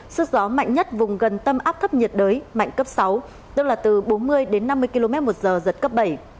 sức gió mạnh nhất vùng gần tâm áp thấp nhiệt đới mạnh cấp sáu tức là từ bốn mươi đến năm mươi km một giờ giật cấp bảy